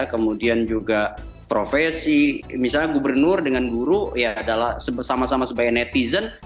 kemudian juga profesi misalnya gubernur dengan guru ya adalah sama sama sebagai netizen